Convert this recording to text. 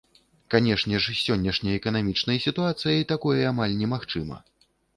Канешне ж, з сённяшняй эканамічнай сітуацыяй такое амаль немагчыма.